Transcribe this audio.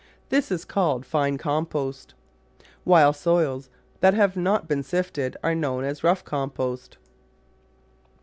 This is called fine compost, while soils that have not been sifted are known as rough compost.